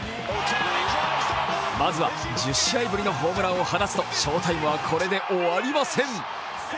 まずは１０試合ぶりのホームランを放つと翔タイムは、これで終わりません。